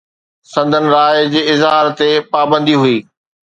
سندن راءِ جي اظهار تي پابندي هئي